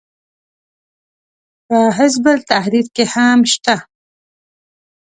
په حزب التحریر کې هم شته.